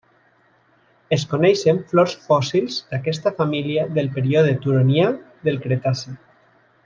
Es coneixen flors fòssils d'aquesta família del període Turonià del Cretaci.